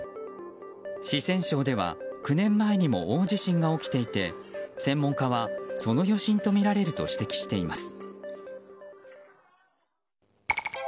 四川省では９年前にも大地震が起きていて専門家はその余震とみられると指摘しています。